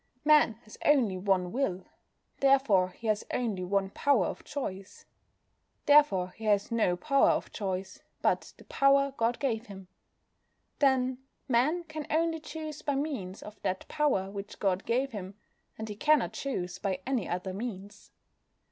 Man has only one will, therefore he has only one "power of choice." Therefore he has no power of choice but the power God gave him. Then, Man can only choose by means of that power which God gave him, and he cannot choose by any other means.